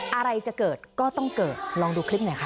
อะไรจะเกิดก็ต้องเกิดลองดูคลิปหน่อยค่ะ